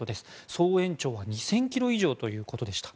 総延長が２０００ｋｍ以上ということでした。